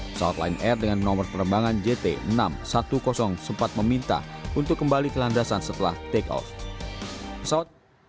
pesawat line air dengan nomor penerbangan jt enam ratus sepuluh sempat meminta untuk kembali ke landasan setelah take off